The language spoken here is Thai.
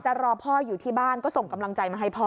รอพ่ออยู่ที่บ้านก็ส่งกำลังใจมาให้พ่อ